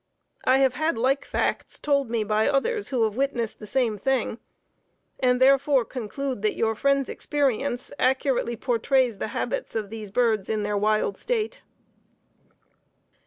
I have had like facts told me by others who have witnessed the same thing; and therefore conclude that your friend's experience accurately portrays the habits of these birds in their wild state.